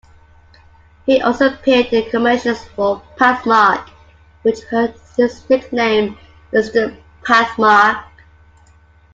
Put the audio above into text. He also appeared in commercials for Pathmark which earned his nickname "Mr. Pathmark".